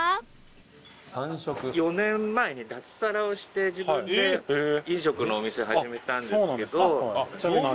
４年前に脱サラをして自分で飲食のお店始めたんですけど。